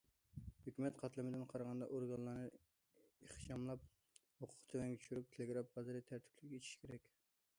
ھۆكۈمەت قاتلىمىدىن قارىغاندا، ئورگانلارنى ئىخچاملاپ، ھوقۇق تۆۋەنگە چۈشۈرۈپ، تېلېگراف بازىرى تەرتىپلىك ئېچىش كېرەك.